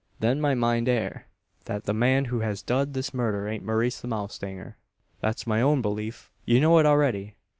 "Then my mind air: thet the man who hez dud this murder ain't Maurice the Mowstanger." "That's my own belief. You know it already.